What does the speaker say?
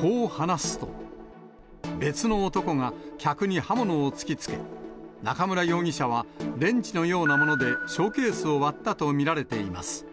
こう話すと、別の男が客に刃物を突き付け、中村容疑者は、レンチのようなものでショーケースを割ったと見られています。